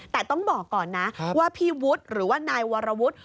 แต่ต้องบอกก่อนนะว่าพี่วุฒิหรือว่านายวรวุฒิ